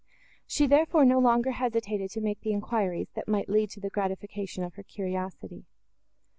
She, therefore, no longer hesitated to make the enquiries, that might lead to the gratification of her curiosity.